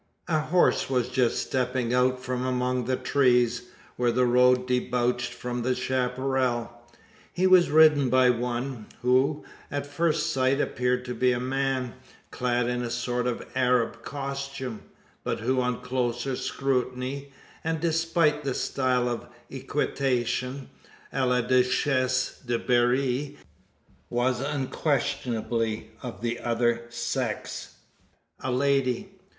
A horse was just stepping out from among the trees, where the road debouched from the chapparal. He was ridden by one, who, at first sight, appeared to be a man, clad in a sort of Arab costume; but who, on closer scrutiny, and despite the style of equitation a la Duchesse de Berri was unquestionably of the other sex a lady.